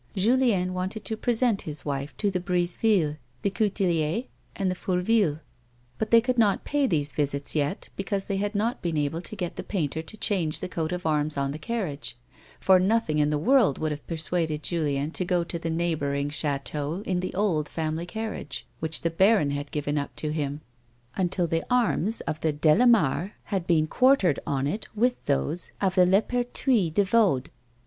Julien wanted to pi e A AYOMAN'S LIFE. 83 sent his wife to the Brisevilles, the Couteliers and the Fourvilles, but they could not pay these visits yet because they had not been able to get the painter to change the coat of arms on the carriage ; for notliing in the world would have persuaded Julien to go to the neighbouring chateaux in the old family carriage, which the baron had given up to hira, until the arms of the De Lamares had been quartered on it with those of the Leperthius des Yauds.